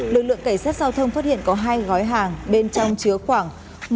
lực lượng cảnh sát giao thông phát hiện có hai gói hàng bên trong chứa khoảng